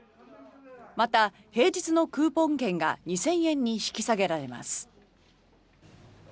また、平日のクーポン券が２０００円に引き下げられます。